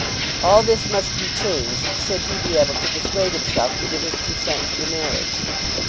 All this must be changed, should he be able to persuade himself to give his consent to the marriage.